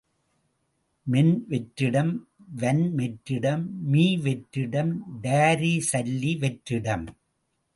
மென்வெற்றிடம், வன்வெற்றிடம், மீவெற்றிடம், டாரிசல்லி வெற்றிடம்.